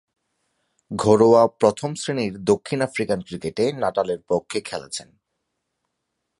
ঘরোয়া প্রথম-শ্রেণীর দক্ষিণ আফ্রিকান ক্রিকেটে নাটালের পক্ষে খেলেছেন।